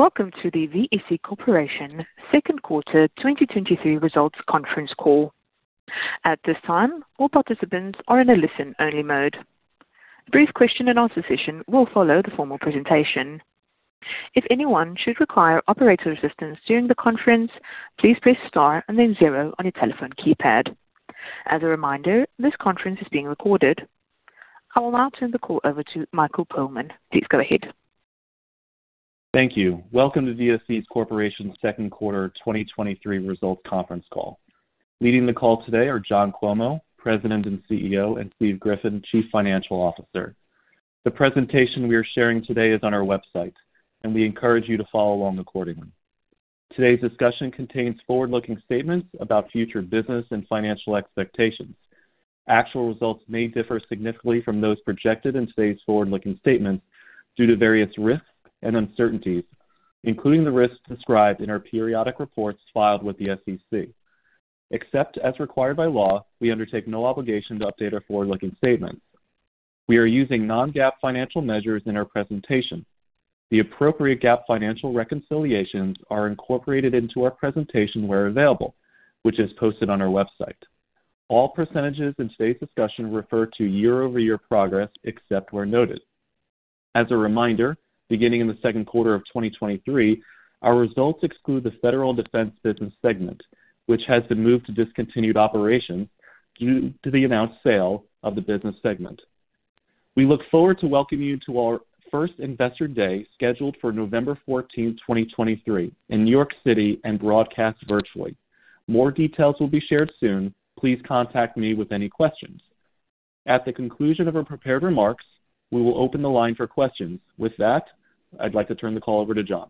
Welcome to the VSE Corporation Second Quarter 2023 Results Conference Call. At this time, all participants are in a listen-only mode. A brief question and answer session will follow the formal presentation. If anyone should require operator assistance during the conference, please press star and then zero on your telephone keypad. As a reminder, this conference is being recorded. I will now turn the call over to Michael Perlman. Please go ahead. Thank you. Welcome to VSE Corporation's Second Quarter 2023 Results Conference Call. Leading the call today are John Cuomo, President and CEO, and Steve Griffin, Chief Financial Officer. The presentation we are sharing today is on our website, and we encourage you to follow along accordingly. Today's discussion contains forward-looking statements about future business and financial expectations. Actual results may differ significantly from those projected in today's forward-looking statements due to various risks and uncertainties, including the risks described in our periodic reports filed with the SEC. Except as required by law, we undertake no obligation to update our forward-looking statements. We are using non-GAAP financial measures in our presentation. The appropriate GAAP financial reconciliations are incorporated into our presentation where available, which is posted on our website. All percentages in today's discussion refer to year-over-year progress, except where noted. As a reminder, beginning in the second quarter of 2023, our results exclude the Federal Defense business segment, which has been moved to discontinued operations due to the announced sale of the business segment. We look forward to welcoming you to our first Investor Day, scheduled for November 14th, 2023, in New York City and broadcast virtually. More details will be shared soon. Please contact me with any questions. At the conclusion of our prepared remarks, we will open the line for questions. I'd like to turn the call over to John.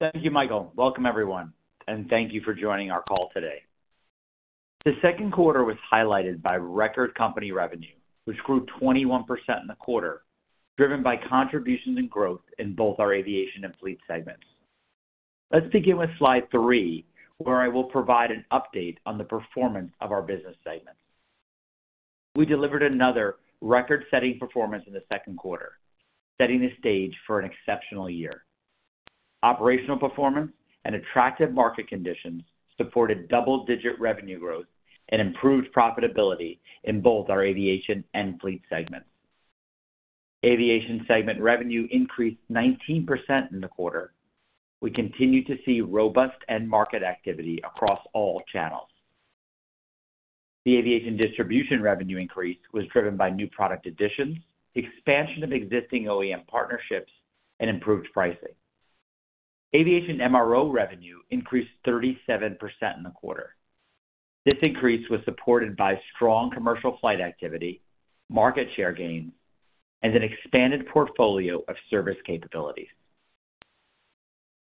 Thank you, Michael. Welcome, everyone, and thank you for joining our call today. The second quarter was highlighted by record company revenue, which grew 21% in the quarter, driven by contributions and growth in both our aviation and fleet segments. Let's begin with slide three, where I will provide an update on the performance of our business segments. We delivered another record-setting performance in the second quarter, setting the stage for an exceptional year. Operational performance and attractive market conditions supported double-digit revenue growth and improved profitability in both our aviation and fleet segments. Aviation segment revenue increased 19% in the quarter. We continue to see robust end market activity across all channels. The aviation distribution revenue increase was driven by new product additions, expansion of existing OEM partnerships, and improved pricing. Aviation MRO revenue increased 37% in the quarter. This increase was supported by strong commercial flight activity, market share gains, and an expanded portfolio of service capabilities.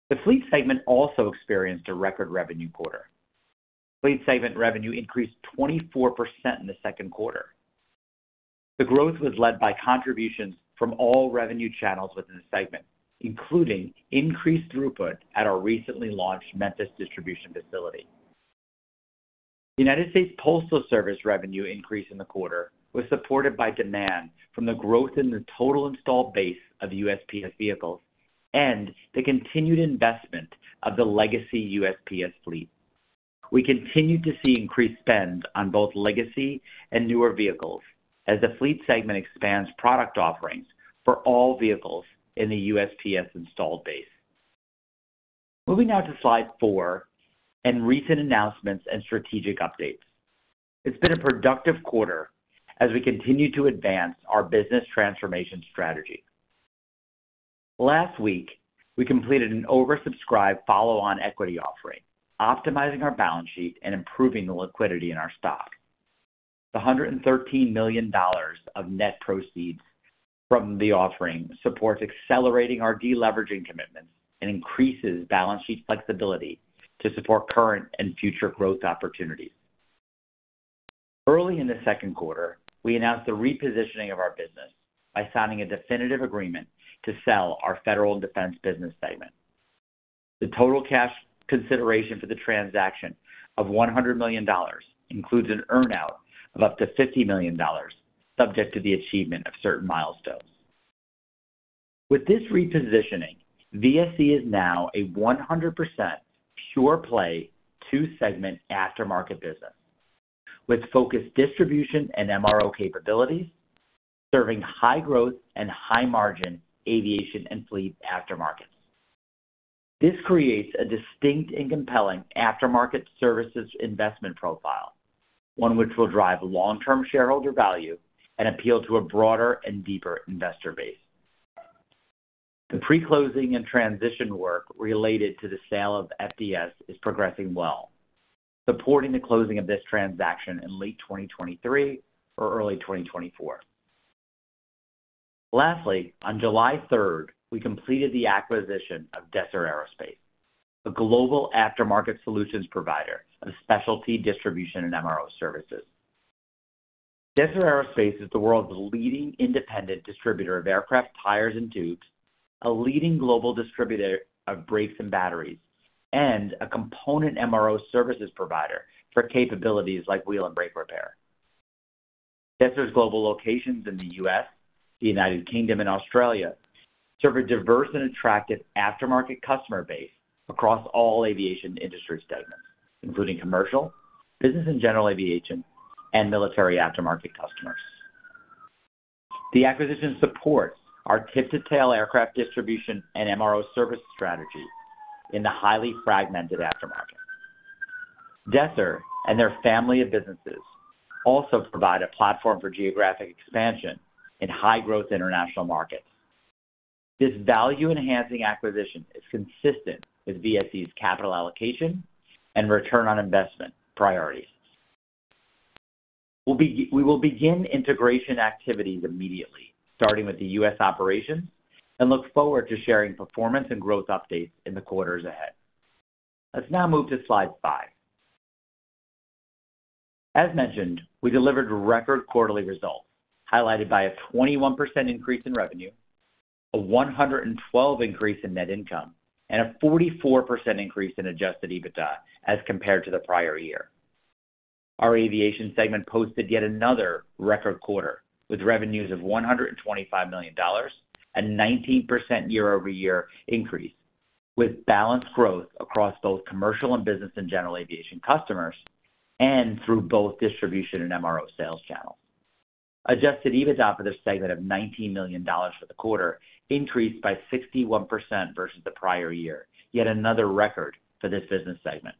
The fleet segment also experienced a record revenue quarter. Fleet segment revenue increased 24% in the second quarter. The growth was led by contributions from all revenue channels within the segment, including increased throughput at our recently launched Memphis distribution facility. United States Postal Service revenue increase in the quarter was supported by demand from the growth in the total installed base of USPS vehicles and the continued investment of the legacy USPS fleet. We continue to see increased spend on both legacy and newer vehicles as the fleet segment expands product offerings for all vehicles in the USPS installed base. Moving now to slide four and recent announcements and strategic updates. It's been a productive quarter as we continue to advance our business transformation strategy. Last week, we completed an oversubscribed follow-on equity offering, optimizing our balance sheet and improving the liquidity in our stock. The $113 million of net proceeds from the offering supports accelerating our deleveraging commitments and increases balance sheet flexibility to support current and future growth opportunities. Early in the second quarter, we announced the repositioning of our business by signing a definitive agreement to sell our Federal Defense business segment. The total cash consideration for the transaction of $100 million includes an earn-out of up to $50 million, subject to the achievement of certain milestones. With this repositioning, VSE is now a 100% pure-play, two-segment aftermarket business with focused distribution and MRO capabilities, serving high-growth and high-margin aviation and fleet aftermarkets. This creates a distinct and compelling aftermarket services investment profile, one which will drive long-term shareholder value and appeal to a broader and deeper investor base. The pre-closing and transition work related to the sale of FDS is progressing well, supporting the closing of this transaction in late 2023 or early 2024. Lastly, on July third, we completed the acquisition of Desser Aerospace, a global aftermarket solutions provider of specialty distribution and MRO services. Desser Aerospace is the world's leading independent distributor of aircraft tires and tubes, a leading global distributor of brakes and batteries, and a component MRO services provider for capabilities like wheel and brake repair. Desser's global locations in the US, the United Kingdom, and Australia serve a diverse and attractive aftermarket customer base across all aviation industry segments, including commercial, business and general aviation, and military aftermarket customers. The acquisition supports our tip-to-tail aircraft distribution and MRO service strategy in the highly fragmented aftermarket. Desser and their family of businesses also provide a platform for geographic expansion in high-growth international markets. This value-enhancing acquisition is consistent with VSE's capital allocation and return on investment priorities. We will begin integration activities immediately, starting with the U.S. operations, and look forward to sharing performance and growth updates in the quarters ahead. Let's now move to slide five. As mentioned, we delivered record quarterly results, highlighted by a 21% increase in revenue, a 112 increase in net income, and a 44% increase in Adjusted EBITDA as compared to the prior year. Our Aviation segment posted yet another record quarter, with revenues of $125 million, a 19% year-over-year increase, with balanced growth across both commercial and business and general aviation customers, and through both distribution and MRO sales channels. Adjusted EBITDA for this segment of $19 million for the quarter increased by 61% versus the prior year, yet another record for this business segment.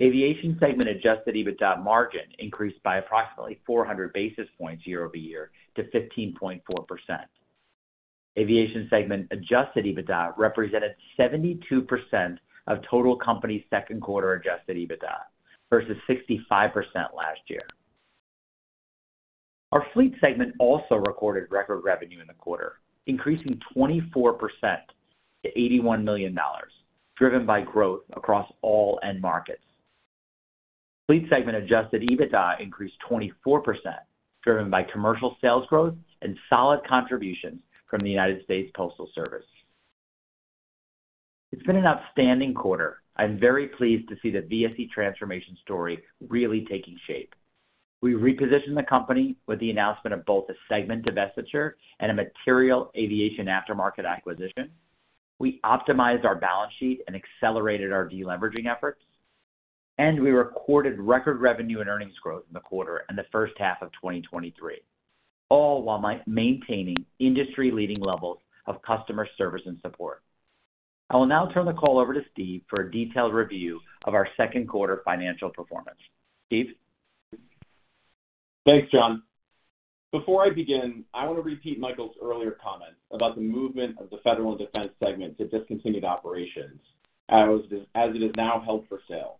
Aviation segment Adjusted EBITDA margin increased by approximately 400 basis points year-over-year to 15.4%. Aviation segment Adjusted EBITDA represented 72% of total company's second quarter Adjusted EBITDA, versus 65% last year. Our Fleet segment also recorded record revenue in the quarter, increasing 24% to $81 million, driven by growth across all end markets. Fleet Segment Adjusted EBITDA increased 24%, driven by commercial sales growth and solid contributions from the United States Postal Service. It's been an outstanding quarter. I'm very pleased to see the VSE transformation story really taking shape. We repositioned the company with the announcement of both a segment divestiture and a material aviation aftermarket acquisition. We optimized our balance sheet and accelerated our deleveraging efforts. We recorded record revenue and earnings growth in the quarter and the first half of 2023, all while maintaining industry-leading levels of customer service and support. I will now turn the call over to Steve for a detailed review of our second quarter financial performance. Steve? Thanks, John. Before I begin, I want to repeat Michael's earlier comment about the movement of the Federal and Defense segment to discontinued operations, as it is now held for sale.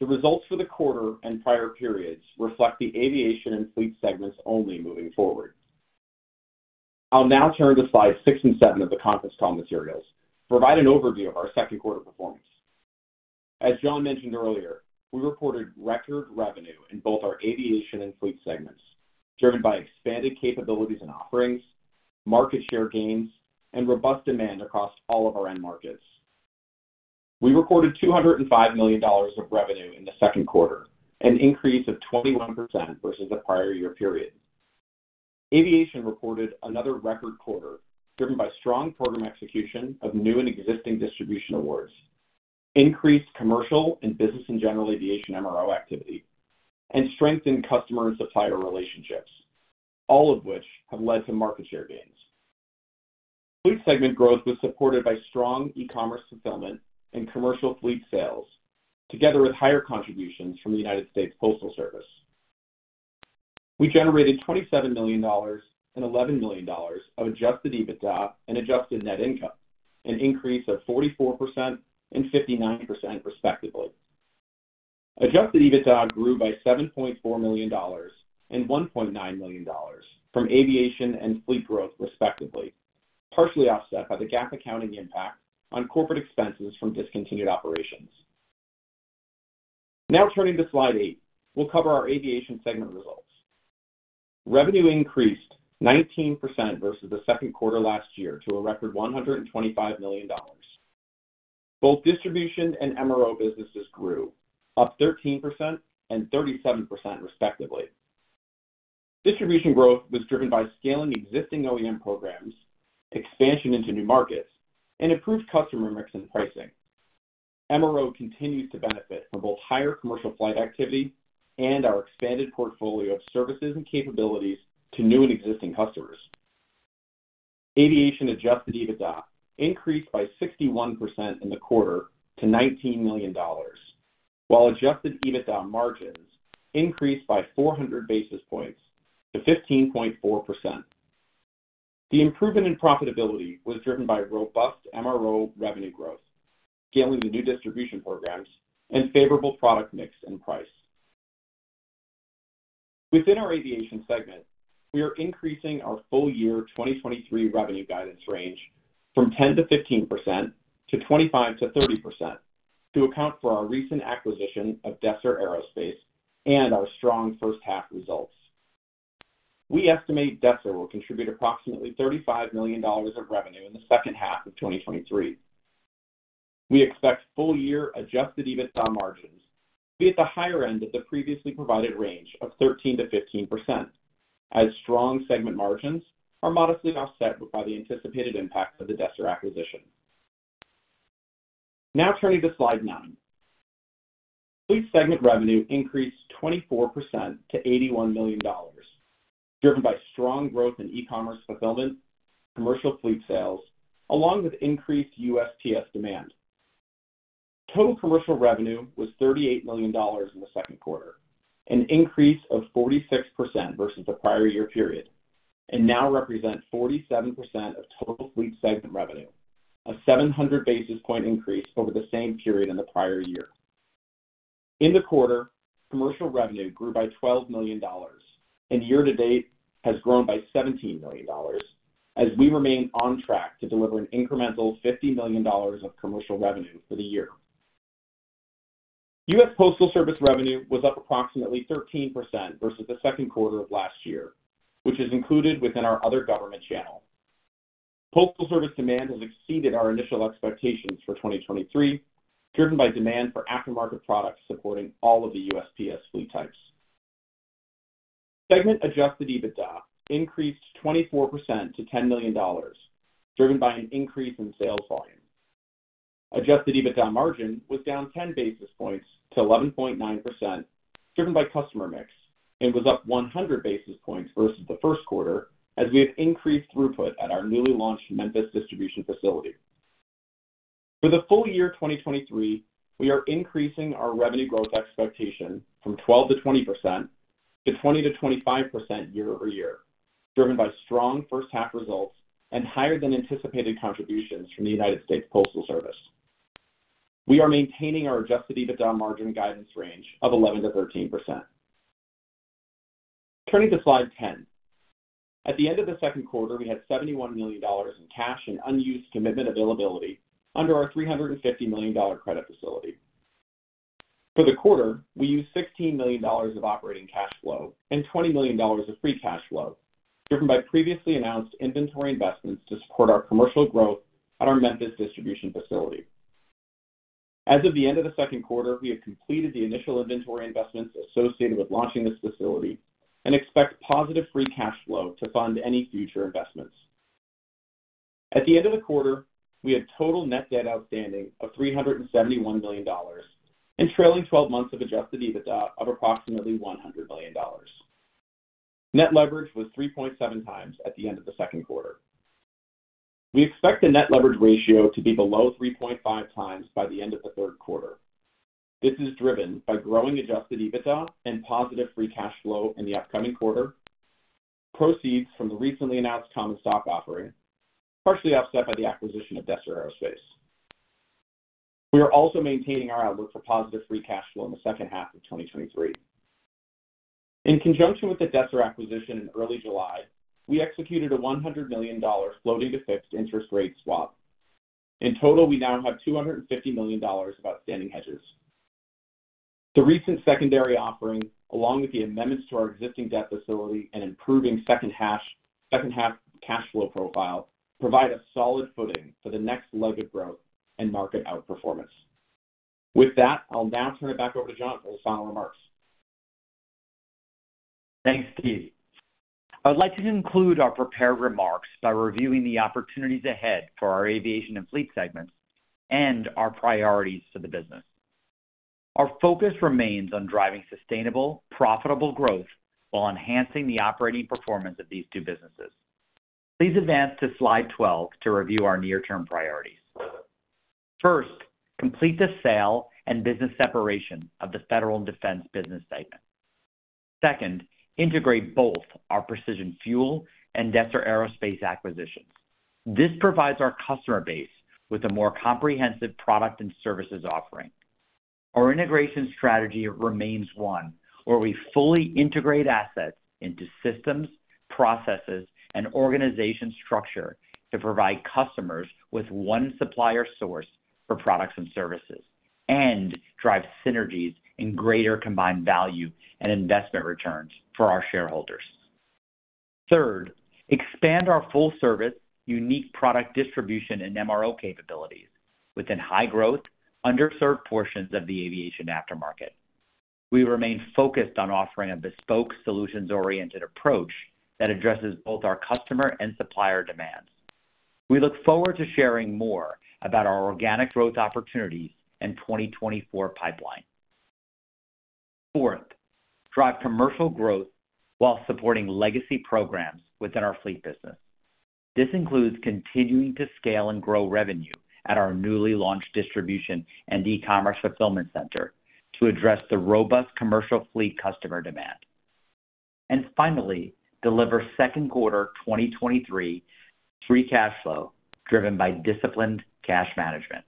The results for the quarter and prior periods reflect the aviation and fleet segments only moving forward. I'll now turn to slides six and seven of the conference call materials to provide an overview of our second quarter performance. As John mentioned earlier, we reported record revenue in both our aviation and fleet segments, driven by expanded capabilities and offerings, market share gains, and robust demand across all of our end markets. We recorded $205 million of revenue in the second quarter, an increase of 21% versus the prior year period. Aviation reported another record quarter, driven by strong program execution of new and existing distribution awards, increased commercial and business and general aviation MRO activity, and strengthened customer and supplier relationships, all of which have led to market share gains. Fleet segment growth was supported by strong e-commerce fulfillment and commercial fleet sales, together with higher contributions from the United States Postal Service. We generated $27 million and $11 million of Adjusted EBITDA and adjusted net income, an increase of 44% and 59% respectively. Adjusted EBITDA grew by $7.4 million and $1.9 million from aviation and fleet growth, respectively, partially offset by the GAAP accounting impact on corporate expenses from discontinued operations. Now turning to slide eight, we'll cover our aviation segment results. Revenue increased 19% versus the second quarter last year to a record $125 million. Both distribution and MRO businesses grew, up 13% and 37%, respectively. Distribution growth was driven by scaling existing OEM programs, expansion into new markets, and improved customer mix and pricing. MRO continues to benefit from both higher commercial flight activity and our expanded portfolio of services and capabilities to new and existing customers. Aviation Adjusted EBITDA increased by 61% in the quarter to $19 million, while Adjusted EBITDA margins increased by 400 basis points to 15.4%. The improvement in profitability was driven by robust MRO revenue growth, scaling the new distribution programs, and favorable product mix and price. Within our aviation segment, we are increasing our full year 2023 revenue guidance range from 10%-15% to 25%-30%, to account for our recent acquisition of Desser Aerospace and our strong first half results. We estimate Desser will contribute approximately $35 million of revenue in the second half of 2023. We expect full year Adjusted EBITDA margins to be at the higher end of the previously provided range of 13%-15%, as strong segment margins are modestly offset by the anticipated impact of the Desser acquisition. Now turning to slide nine. Fleet segment revenue increased 24% to $81 million, driven by strong growth in e-commerce fulfillment, commercial fleet sales, along with increased USPS demand. Total commercial revenue was $38 million in the second quarter, an increase of 46% versus the prior year period, and now represents 47% of total fleet segment revenue, a 700 basis point increase over the same period in the prior year. In the quarter, commercial revenue grew by $12 million, and year to date has grown by $17 million, as we remain on track to deliver an incremental $50 million of commercial revenue for the year. U.S. Postal Service revenue was up approximately 13% versus the second quarter of last year, which is included within our other government channel. Postal Service demand has exceeded our initial expectations for 2023, driven by demand for aftermarket products supporting all of the USPS fleet types. Segment Adjusted EBITDA increased 24% to $10 million, driven by an increase in sales volume. Adjusted EBITDA margin was down 10 basis points to 11.9%, driven by customer mix, and was up 100 basis points versus the first quarter as we have increased throughput at our newly launched Memphis distribution facility. For the full year 2023, we are increasing our revenue growth expectation from 12%-20% to 20%-25% year-over-year, driven by strong first half results and higher than anticipated contributions from the United States Postal Service. We are maintaining our Adjusted EBITDA margin guidance range of 11%-13%. Turning to slide 10. At the end of the second quarter, we had $71 million in cash and unused commitment availability under our $350 million credit facility. For the quarter, we used $16 million of operating cash flow and $20 million of free cash flow, driven by previously announced inventory investments to support our commercial growth at our Memphis distribution facility. As of the end of the second quarter, we have completed the initial inventory investments associated with launching this facility and expect positive free cash flow to fund any future investments. At the end of the quarter, we had total net debt outstanding of $371 million and trailing 12 months of Adjusted EBITDA of approximately $100 million. Net leverage was 3.7x at the end of the second quarter. We expect the net leverage ratio to be below 3.5x by the end of the third quarter. This is driven by growing Adjusted EBITDA and positive free cash flow in the upcoming quarter. Proceeds from the recently announced common stock offering, partially offset by the acquisition of Desser Aerospace. We are also maintaining our outlook for positive free cash flow in the second half of 2023. In conjunction with the Desser acquisition in early July, we executed a $100 million floating to fixed interest rate swap. In total, we now have $250 million of outstanding hedges. The recent secondary offering, along with the amendments to our existing debt facility and improving second half cash flow profile, provide a solid footing for the next leg of growth and market outperformance. With that, I'll now turn it back over to John for his final remarks. Thanks, Steve. I'd like to conclude our prepared remarks by reviewing the opportunities ahead for our aviation and fleet segments and our priorities for the business. Our focus remains on driving sustainable, profitable growth while enhancing the operating performance of these two businesses. Please advance to slide 12 to review our near-term priorities. First, complete the sale and business separation of the Federal and Defense business segment. Second, integrate both our Precision Fuel and Desser Aerospace acquisitions. This provides our customer base with a more comprehensive product and services offering. Our integration strategy remains one, where we fully integrate assets into systems, processes, and organization structure to provide customers with one supplier source for products and services, and drive synergies in greater combined value and investment returns for our shareholders. Third, expand our full service, unique product distribution and MRO capabilities within high growth, underserved portions of the aviation aftermarket. We remain focused on offering a bespoke, solutions-oriented approach that addresses both our customer and supplier demands. We look forward to sharing more about our organic growth opportunities and 2024 pipeline. Fourth, drive commercial growth while supporting legacy programs within our fleet business. This includes continuing to scale and grow revenue at our newly launched distribution and e-commerce fulfillment center to address the robust commercial fleet customer demand. Finally, deliver second quarter 2023 free cash flow, driven by disciplined cash management.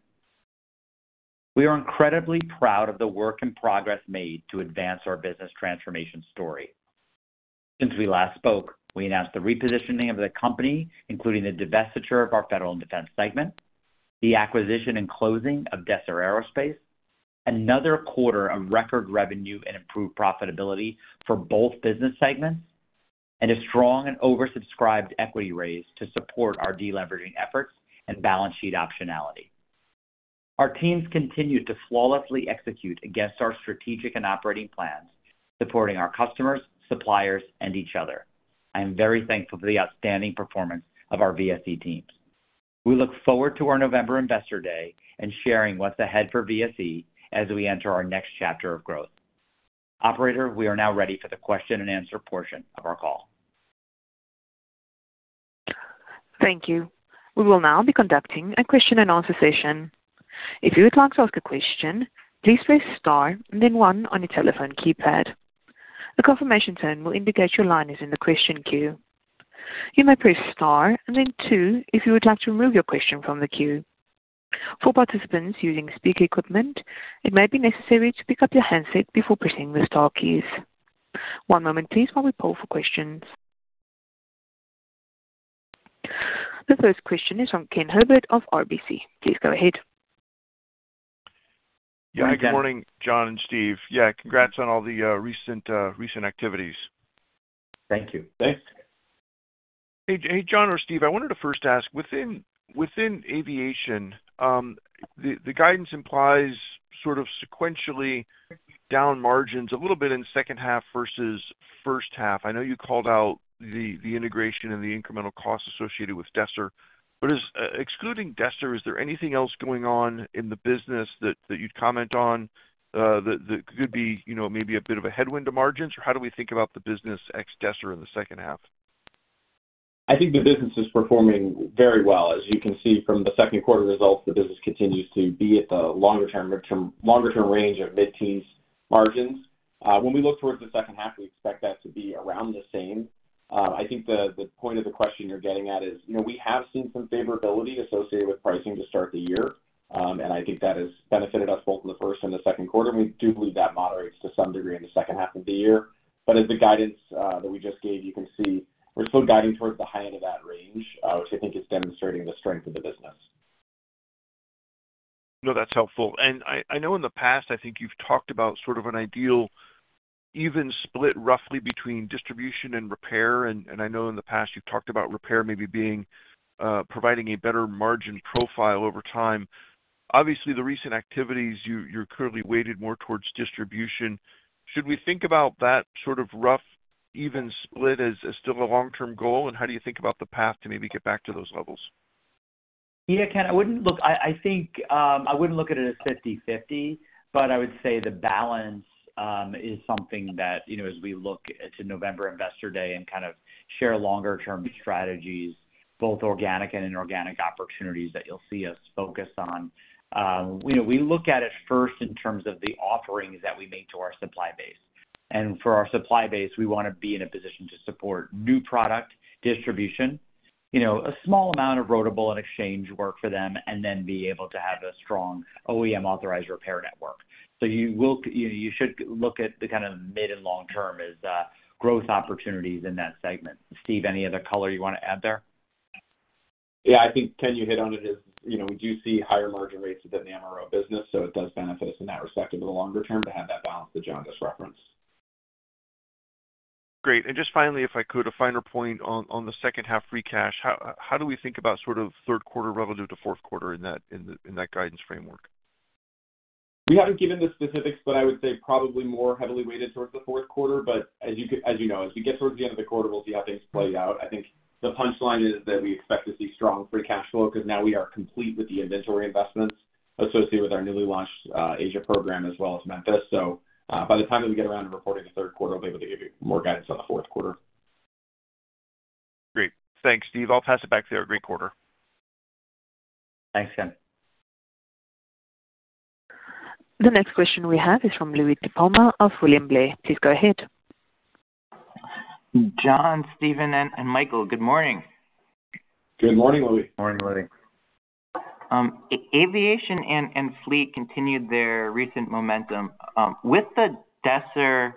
We are incredibly proud of the work and progress made to advance our business transformation story. Since we last spoke, we announced the repositioning of the company, including the divestiture of our Federal and Defense segment, the acquisition and closing of Desser Aerospace, another quarter of record revenue and improved profitability for both business segments.... A strong and oversubscribed equity raise to support our deleveraging efforts and balance sheet optionality. Our teams continued to flawlessly execute against our strategic and operating plans, supporting our customers, suppliers, and each other. I am very thankful for the outstanding performance of our VSE teams. We look forward to our November Investor Day and sharing what's ahead for VSE as we enter our next chapter of growth. Operator, we are now ready for the question and answer portion of our call. Thank you. We will now be conducting a question and answer session. If you would like to ask a question, please press Star and then one on your telephone keypad. The confirmation tone will indicate your line is in the question queue. You may press Star and then two if you would like to remove your question from the queue. For participants using speaker equipment, it may be necessary to pick up your handset before pressing the star keys. One moment please while we poll for questions. The first question is from Ken Herbert of RBC. Please go ahead. Good morning, John and Steve. Yeah, congrats on all the recent activities. Thank you. Thanks. Hey, hey, John or Steve, I wanted to first ask, within aviation, the guidance implies sort of sequentially down margins a little bit in second half versus first half. I know you called out the integration and the incremental costs associated with Desser, but excluding Desser, is there anything else going on in the business that you'd comment on, that could be, you know, maybe a bit of a headwind to margins, or how do we think about the business ex Desser in the second half? I think the business is performing very well. As you can see from the second quarter results, the business continues to be at the longer term, longer term range of mid-teens margins. When we look towards the second half, we expect that to be around the same. I think the, the point of the question you're getting at is, you know, we have seen some favorability associated with pricing to start the year, and I think that has benefited us both in the first and the second quarter. We do believe that moderates to some degree in the second half of the year. As the guidance, that we just gave, you can see we're still guiding towards the high end of that range, which I think is demonstrating the strength of the business. No, that's helpful. I, I know in the past, I think you've talked about sort of an ideal, even split roughly between distribution and repair. I know in the past you've talked about repair maybe being providing a better margin profile over time. Obviously, the recent activities, you're currently weighted more towards distribution. Should we think about that sort of rough, even split as still a long-term goal? How do you think about the path to maybe get back to those levels? Yeah, Ken, I wouldn't Look, I, I think, I wouldn't look at it as 50/50, but I would say the balance is something that, you know, as we look to November Investor Day and kind of share longer term strategies, both organic and inorganic opportunities that you'll see us focus on. You know, we look at it first in terms of the offerings that we make to our supply base. For our supply base, we want to be in a position to support new product distribution, you know, a small amount of rotable and exchange work for them, and then be able to have a strong OEM authorized repair network. You will, you should look at the kind of mid and long term as growth opportunities in that segment. Steve, any other color you want to add there? Yeah, I think, Ken, you hit on it, is, you know, we do see higher margin rates within the MRO business, so it does benefit us in that respect in the longer term to have that balance that John just referenced. Great. Just finally, if I could, a finer point on the second half, free cash. How do we think about sort of third quarter relative to fourth quarter in that guidance framework? We haven't given the specifics, but I would say probably more heavily weighted towards the fourth quarter. As you know, as we get towards the end of the quarter, we'll see how things play out. I think the punchline is that we expect to see strong free cash flow, because now we are complete with the inventory investments associated with our newly launched Asia program as well as Memphis. By the time that we get around to reporting the third quarter, we'll be able to give you more guidance on the fourth quarter. Great. Thanks, Steve. I'll pass it back to the third quarter. Thanks, Ken. The next question we have is from Louie DiPalma of William Blair. Please go ahead. John, Stephen, and Michael, good morning. Good morning, Louie. Morning, Louie. Aviation and fleet continued their recent momentum. With the Desser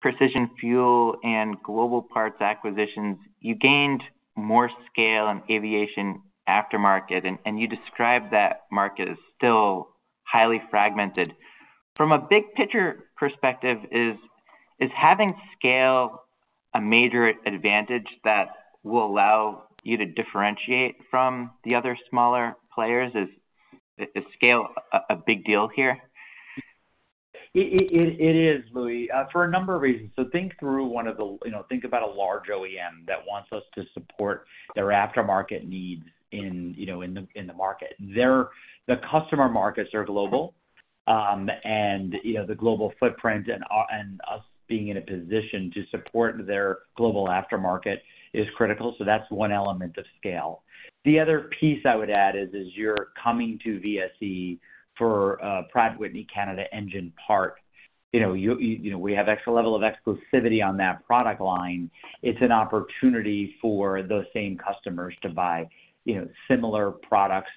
Precision Fuel and Global Parts acquisitions, you gained more scale in aviation aftermarket, and you described that market as still highly fragmented. From a big picture perspective, is having scale a major advantage that will allow you to differentiate from the other smaller players? Is scale a big deal here? It is, Louie, for a number of reasons. Think through one of the, you know, think about a large OEM that wants us to support their aftermarket needs in the market. Their, the customer markets are global, and, you know, the global footprint and us being in a position to support their global aftermarket is critical. That's one element of scale. The other piece I would add is, as you're coming to VSE for a Pratt & Whitney Canada engine part, you know, we have extra level of exclusivity on that product line. It's an opportunity for those same customers to buy, you know, similar products,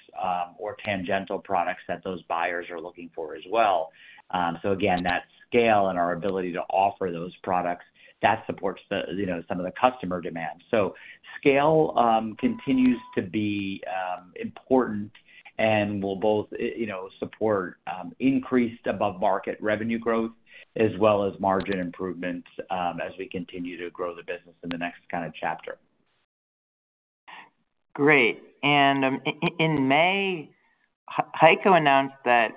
or tangential products that those buyers are looking for as well. Again, that scale and our ability to offer those products, that supports the, you know, some of the customer demand. Scale continues to be important, and will both, you know, support increased above-market revenue growth as well as margin improvements as we continue to grow the business in the next kind of chapter. Great. In May, HEICO announced that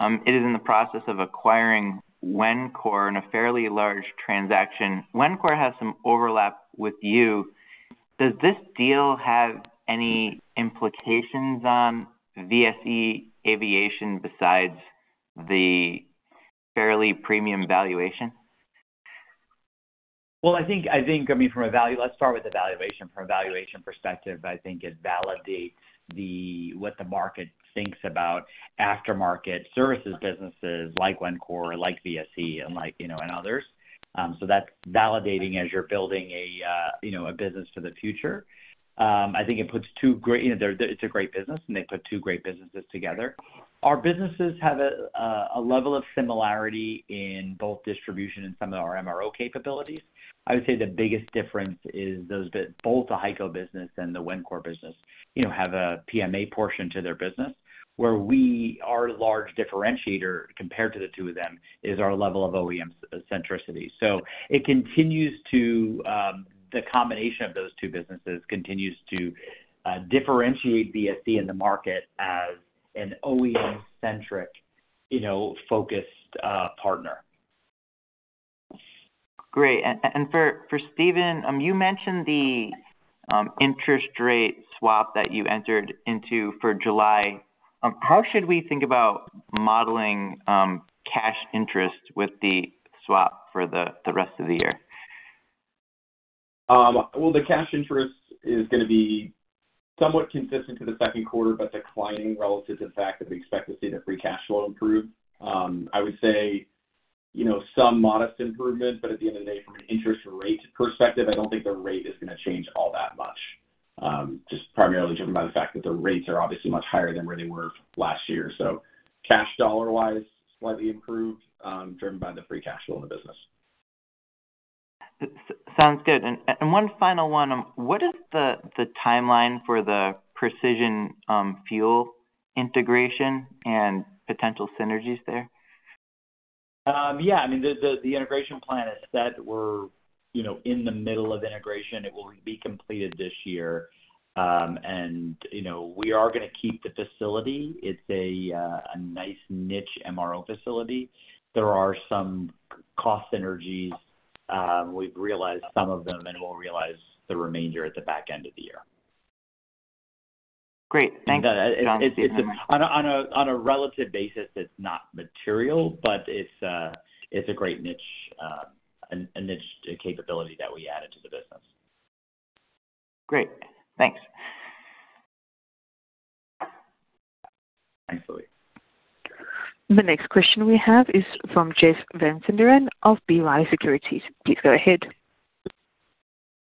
it is in the process of acquiring Wencor in a fairly large transaction. Wencor has some overlap with you. Does this deal have any implications on VSE Aviation besides the fairly premium valuation? Well, I mean, let's start with the valuation. From a valuation perspective, I think it validates the, what the market thinks about aftermarket services businesses like Wencor, like VSE, and like, you know, and others. That's validating as you're building a, you know, a business for the future. I think it puts two great, you know, it's a great business, and they put two great businesses together. Our businesses have a, a level of similarity in both distribution and some of our MRO capabilities. I would say the biggest difference is those that both the HEICO business and the Wencor business, you know, have a PMA portion to their business, where we, our large differentiator, compared to the two of them, is our level of OEM centricity. It continues to, the combination of those two businesses continues to differentiate VSE in the market as an OEM-centric, you know, focused partner. Great. For Steve, you mentioned the interest rate swap that you entered into for July. How should we think about modeling cash interest with the swap for the rest of the year? Well, the cash interest is gonna be somewhat consistent to the second quarter, but declining relative to the fact that we expect to see the free cash flow improve. I would say, you know, some modest improvement, but at the end of the day, from an interest rate perspective, I don't think the rate is gonna change all that much. Just primarily driven by the fact that the rates are obviously much higher than where they were last year. Cash dollar-wise, slightly improved, driven by the free cash flow in the business. Sounds good. One final one, what is the timeline for the Precision Fuel integration and potential synergies there? Yeah, I mean, the integration plan is set. We're, you know, in the middle of integration. It will be completed this year. You know, we are gonna keep the facility. It's a nice niche MRO facility. There are some cost synergies, we've realized some of them, and we'll realize the remainder at the back end of the year. Great. Thanks, John. It's on a relative basis, it's not material, but it's a great niche, a niche capability that we added to the business. Great. Thanks. Thanks, Billy. The next question we have is from Jeff Van Sinderen of B. Riley Securities. Please go ahead.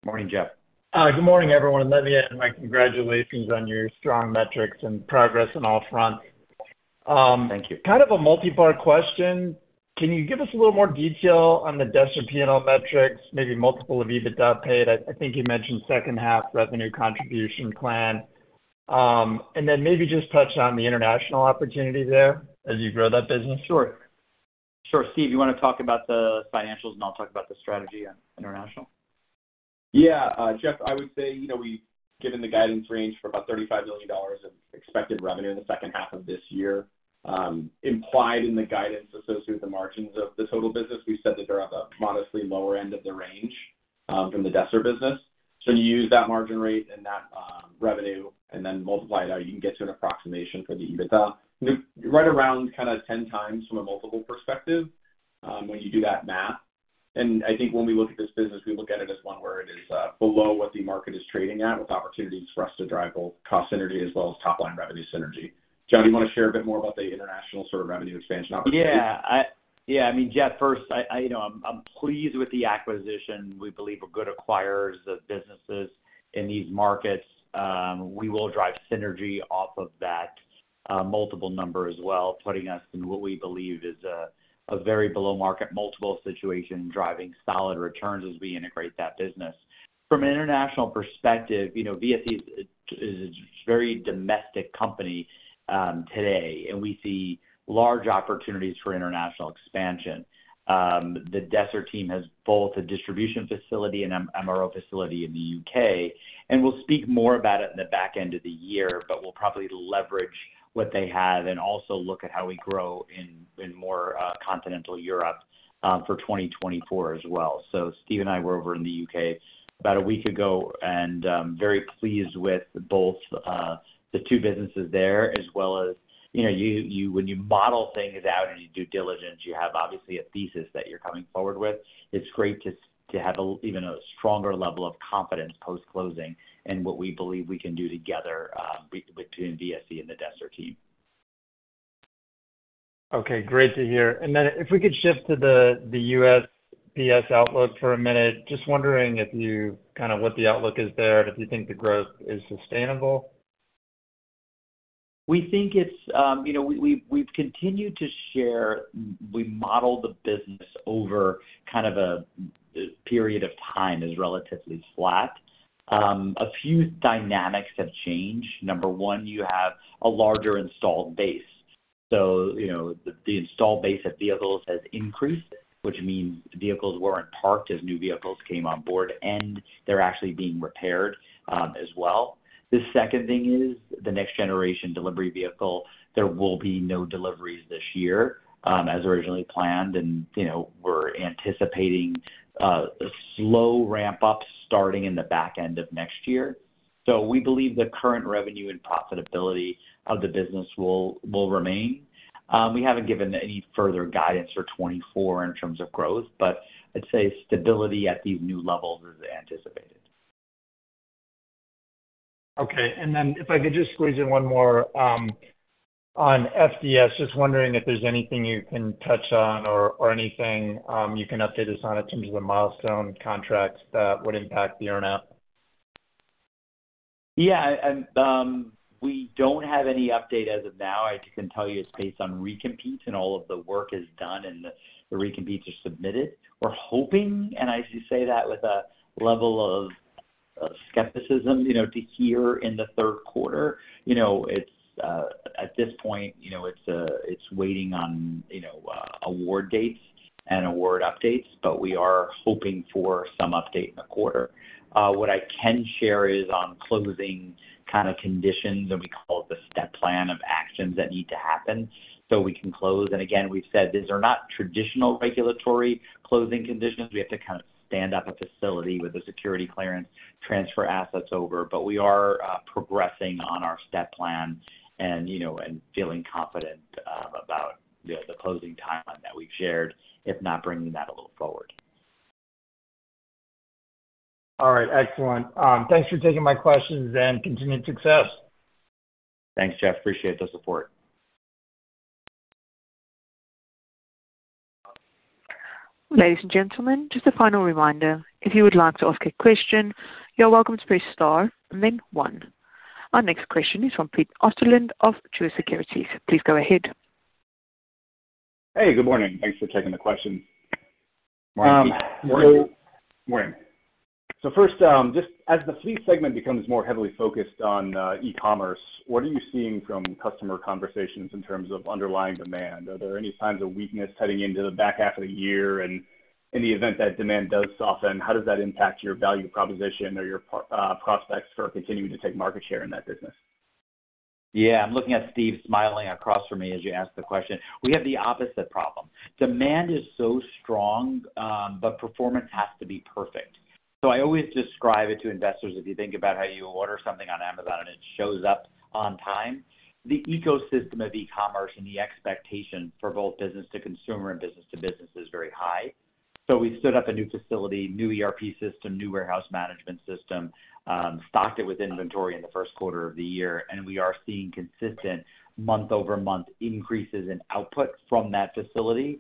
Morning, Jeff. Good morning, everyone, let me add my congratulations on your strong metrics and progress on all fronts. Thank you. Kind of a multi-part question. Can you give us a little more detail on the Desser P&L metrics, maybe multiple of EBITDA paid? I think you mentioned second half revenue contribution plan. Then maybe just touch on the international opportunity there as you grow that business. Sure. Sure. Steve, you want to talk about the financials, and I'll talk about the strategy on international? Jeff, I would say, you know, we've given the guidance range for about $35 billion of expected revenue in the second half of this year. Implied in the guidance associated with the margins of the total business, we've said that they're at the modestly lower end of the range, from the Desser business. You use that margin rate and that revenue, and then multiply it out, you can get to an approximation for the EBITDA. Right around kind of 10x from a multiple perspective, when you do that math. I think when we look at this business, we look at it as one where it is below what the market is trading at, with opportunities for us to drive both cost synergy as well as top-line revenue synergy. John, do you want to share a bit more about the international sort of revenue expansion opportunity? Yeah. Yeah, I mean, Jeff, first, I, you know, I'm pleased with the acquisition. We believe we're good acquirers of businesses in these markets. We will drive synergy off of that multiple number as well, putting us in what we believe is a very below market multiple situation, driving solid returns as we integrate that business. From an international perspective, you know, VSE is a very domestic company today. We see large opportunities for international expansion. The Desser team has both a distribution facility and MRO facility in the UK. We'll speak more about it in the back end of the year, we'll probably leverage what they have and also look at how we grow in more continental Europe for 2024 as well. Steve and I were over in the UK about a week ago, and very pleased with both the two businesses there, as well as, you know, you when you model things out and you due diligence, you have obviously a thesis that you're coming forward with. It's great to have a, even a stronger level of confidence post-closing and what we believe we can do together between VSE and the Desser team. Okay, great to hear. If we could shift to the USPS outlook for a minute, just wondering if you kind of what the outlook is there, and if you think the growth is sustainable? We think it's, you know, we've continued to share. We modeled the business over kind of a period of time as relatively flat. A few dynamics have changed. Number one, you have a larger installed base. You know, the installed base of vehicles has increased, which means vehicles weren't parked as new vehicles came on board, and they're actually being repaired, as well. The second thing is the Next Generation Delivery Vehicle. There will be no deliveries this year, as originally planned. You know, we're anticipating a slow ramp up starting in the back end of next year. We believe the current revenue and profitability of the business will remain. We haven't given any further guidance for 2024 in terms of growth, but I'd say stability at these new levels is anticipated. Okay. If I could just squeeze in one more, on FDS. Just wondering if there's anything you can touch on or anything, you can update us on in terms of the milestone contracts that would impact the earn-out? We don't have any update as of now. I can tell you it's based on recompetes, and all of the work is done, and the recompetes are submitted. We're hoping, and I should say that with a level of skepticism, you know, to hear in the 3rd quarter. You know, it's at this point, you know, it's waiting on, you know, award dates and award updates, but we are hoping for some update in the quarter. What I can share is on closing kind of conditions, and we call it the step plan of actions that need to happen so we can close. Again, we've said these are not traditional regulatory closing conditions. We have to kind of stand up a facility with a security clearance, transfer assets over, but we are, progressing on our step plan and, you know, and feeling confident, about the, the closing timeline that we've shared, if not bringing that a little forward. All right. Excellent. Thanks for taking my questions and continued success. Thanks, Jeff. Appreciate the support. Ladies and gentlemen, just a final reminder, if you would like to ask a question, you're welcome to press star and then one. Our next question is from Peter Osterland of Truist Securities. Please go ahead. Hey, good morning. Thanks for taking the question. Morning. Morning. First, just as the Fleet segment becomes more heavily focused on e-commerce, what are you seeing from customer conversations in terms of underlying demand? Are there any signs of weakness heading into the back half of the year? In the event that demand does soften, how does that impact your value proposition or your prospects for continuing to take market share in that business? I'm looking at Steve smiling across from me as you ask the question. We have the opposite problem. Demand is so strong, performance has to be perfect. I always describe it to investors, if you think about how you order something on Amazon and it shows up on time, the ecosystem of e-commerce and the expectation for both business to consumer and business to business is very high. We stood up a new facility, new ERP system, new warehouse management system, stocked it with inventory in the first quarter of the year, we are seeing consistent month-over-month increases in output from that facility.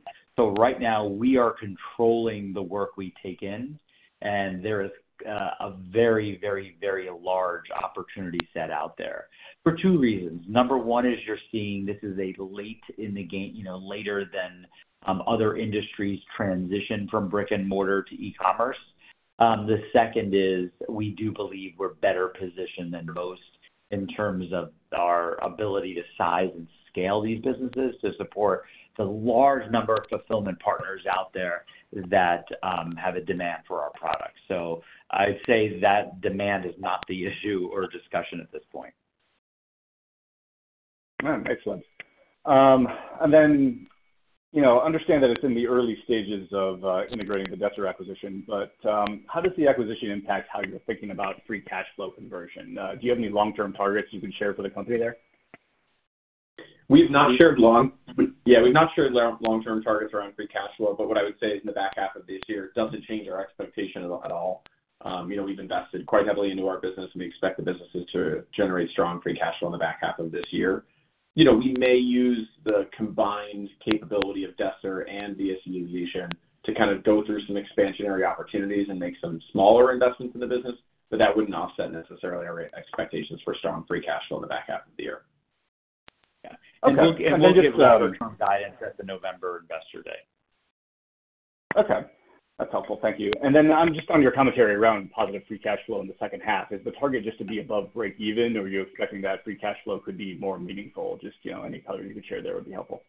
Right now we are controlling the work we take in, there is a very, very, very large opportunity set out there for two reasons. Number one is you're seeing this is a late in the game, you know, later than, other industries transition from brick and mortar to e-commerce. The second is we do believe we're better positioned than most in terms of our ability to size and scale these businesses to support the large number of fulfillment partners out there that, have a demand for our products. I'd say that demand is not the issue or discussion at this point. All right. Excellent. You know, I understand that it's in the early stages of integrating the Desser acquisition, how does the acquisition impact how you're thinking about free cash flow conversion? Do you have any long-term targets you can share for the company there? Yeah, we've not shared long-term targets around free cash flow, but what I would say is in the back half of this year, it doesn't change our expectation at all. You know, we've invested quite heavily into our business, and we expect the businesses to generate strong free cash flow in the back half of this year. You know, we may use the combined capability of Desser and VSE Aviation to kind of go through some expansionary opportunities and make some smaller investments in the business, but that wouldn't offset necessarily our expectations for strong free cash flow in the back half of the year. Okay. We'll give further term guidance at the November Investor Day. Okay. That's helpful. Thank you. Just on your commentary around positive free cash flow in the second half, is the target just to be above break even, or are you expecting that free cash flow could be more meaningful? Just, you know, any color you could share there would be helpful.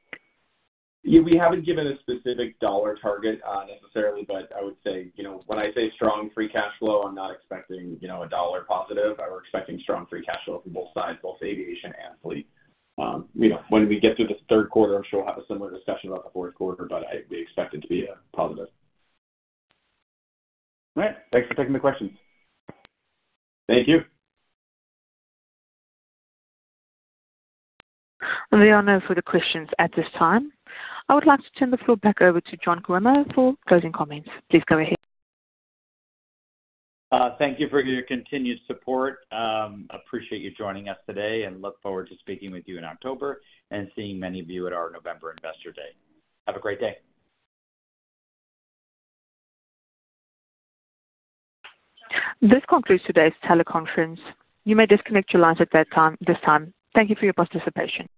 Yeah, we haven't given a specific dollar target, necessarily, but I would say, you know, when I say strong free cash flow, I'm not expecting, you know, a dollar positive. We're expecting strong free cash flow from both sides, both Aviation and Fleet. You know, when we get through this third quarter, I'm sure we'll have a similar discussion about the fourth quarter, but we expect it to be positive. All right. Thanks for taking the questions. Thank you. There are no further questions at this time. I would like to turn the floor back over to John Cuomo for closing comments. Please go ahead. Thank you for your continued support. Appreciate you joining us today, and look forward to speaking with you in October and seeing many of you at our November Investor Day. Have a great day. This concludes today's teleconference. You may disconnect your lines at this time. Thank you for your participation.